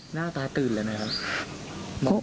หน้าตาตื่นเลยนะครับ